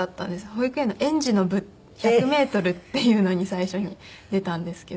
保育園の園児の部１００メートルっていうのに最初に出たんですけど。